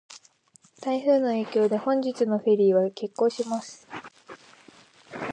台風の影響で、本日のフェリーは欠航します。